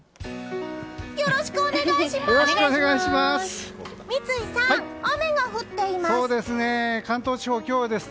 よろしくお願いします！